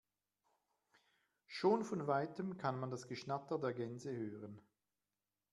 Schon von weitem kann man das Geschnatter der Gänse hören.